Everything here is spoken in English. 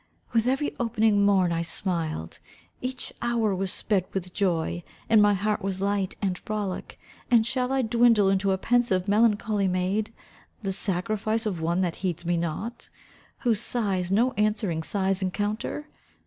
With every opening morn I smiled. Each hour was sped with joy, and my heart was light and frolic. And shall I dwindle into a pensive, melancholy maid, the sacrifice of one that heeds me not, whose sighs no answering sighs encounter!